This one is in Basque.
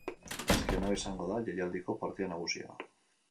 Azken hau izango da jaialdiko partida nagusia.